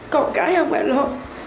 cậu cái không phải lộ